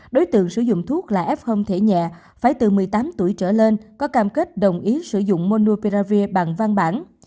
đối tượng sử dụng thuốc là f thẻ nhẹ phải từ một mươi tám tuổi trở lên có cam kết đồng ý sử dụng monopiravir bằng văn bản